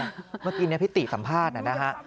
เมื่อกี้พี่ติสัมภาษณ์นะฮะ